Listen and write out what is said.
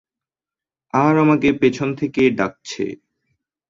আর আমাকে পেছন থেকে ডাকছে।